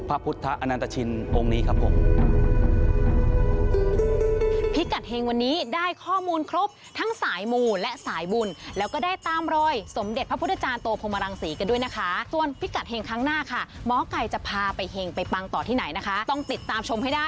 พระพุทธอนันตชินองค์นี้ครับผม